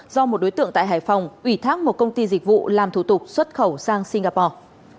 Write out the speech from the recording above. do một đối tượng tại hải phòng ủy thác một công ty dịch vụ làm thủ tục xuất khẩu sang singapore